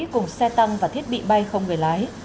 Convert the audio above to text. cùng xe tăng và thiết bị bay không người lái